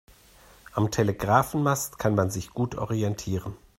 Am Telegrafenmast kann man sich gut orientieren.